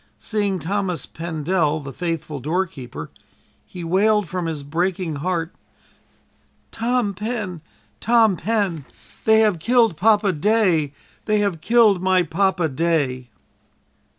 Seeing Thomas Pendel, the faithful doorkeeper, he wailed from his breaking heart: "Tom Pen, Tom Pen, they have killed Papa day! They have killed my Papa day!"